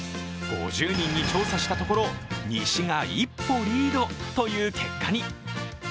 ５０人に調査したところ、西が一歩リードという結果に。